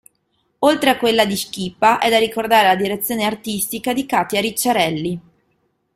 Oltre a quella di Schipa è da ricordare la direzione artistica di Katia Ricciarelli.